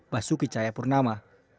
basuki caya purnama